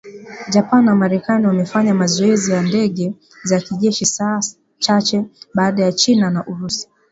Japan na Marekani wamefanya mazoezi ya ndege za kijeshi saa chache baada ya China na Urusi